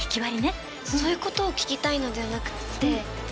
そういうことを聞きたいのではなくって。